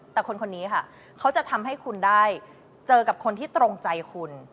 แต่คนนี้ค่ะเขาจะทำให้คุณได้เจอกับคนที่ตรงใจคุณ